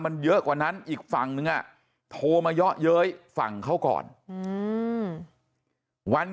มันเยอะกว่านั้นอีกฝั่งนึงโทรมาเยอะเย้ยฝั่งเขาก่อนวัน